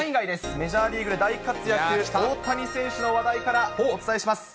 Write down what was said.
メジャーリーグで大活躍、大谷選手の話題からお伝えします。